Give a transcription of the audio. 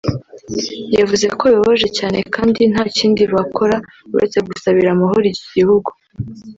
yavuze ko bibabaje cyane kandi nta kindi bakora uretse gusabira amahoro iki gihugu